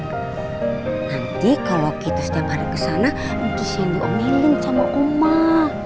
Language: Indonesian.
nanti kalau kita sudah balik ke sana mungkin shandy omelin sama umar